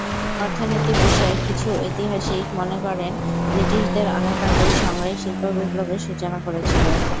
অর্থনীতিবিষয়ক কিছু ঐতিহাসিক মনে করেন, ব্রিটিশদের অনেক আগে সংরাই শিল্পবিপ্লবের সূচনা করেছিল।